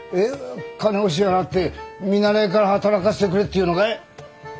金を支払って見習いから働かせてくれっていうのかい？